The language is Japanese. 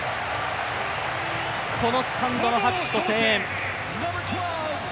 このスタンドの拍手と声援。